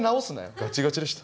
ガチガチでした。